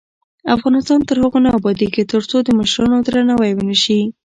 افغانستان تر هغو نه ابادیږي، ترڅو د مشرانو درناوی ونشي.